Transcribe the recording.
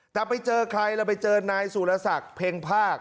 แต่ไปเจอใครแล้วไปเจอนายสูรสักเพ็งภาค